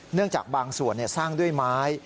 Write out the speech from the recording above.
จากบางส่วนสร้างด้วยไม้